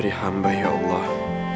beri hamba ya allah